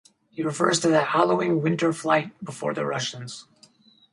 He refers to the hallowing winter flight before the Russians.